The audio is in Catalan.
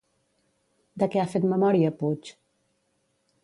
De què ha fet memòria Puig?